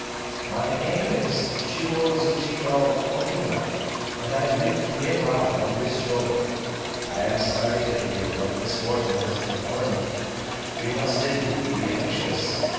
"My name is Shiwozuchino Okina, and I live near by on this shore. I am sorry to hear what misfortune has befallen you. You must indeed be anxious.